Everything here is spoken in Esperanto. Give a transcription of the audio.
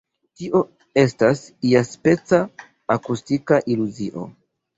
Tio estas iaspeca „akustika iluzio“.